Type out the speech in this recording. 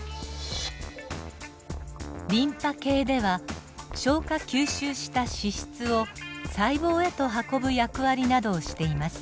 リンパ系では消化吸収した脂質を細胞へと運ぶ役割などをしています。